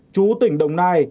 chú tỉnh đồng nai